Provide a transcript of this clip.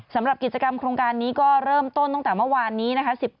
สำหรับกิจกรรมโครงการนี้ก็เริ่มต้นตั้งแต่เมื่อวานนี้นะคะ